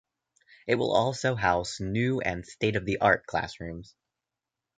It will also house new and state-of-the-art classrooms.